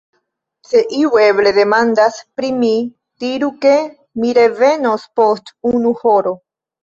Se iu eble demandas pri mi, diru ke mi revenos post unu horo.